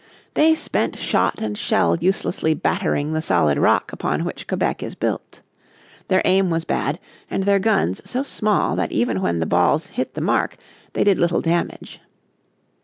They spent shot and shell uselessly battering the solid rock upon which Quebec is built. Their aim was bad, and their guns so small that even when the balls hit the mark they did little damage.